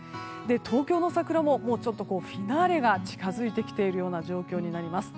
東京の桜もフィナーレが近づいてきている状況です。